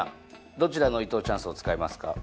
どちらの伊藤チャンスを使いますか？